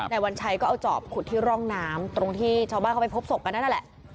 วัญชัยก็เอาจอบขุดที่ร่องน้ำตรงที่ชาวบ้านเขาไปพบศพกันนั่นแหละ